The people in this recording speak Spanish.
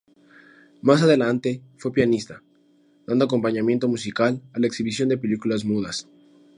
Más adelante fue pianista, dando acompañamiento musical a la exhibición de películas mudas.